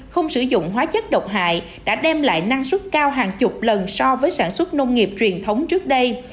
không sử dụng hóa chất độc hại đã đem lại năng suất cao hàng chục lần so với sản xuất nông nghiệp truyền thống trước đây